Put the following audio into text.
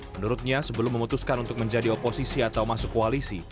menurutnya sebelum memutuskan untuk menjadi oposisi atau masuk koalisi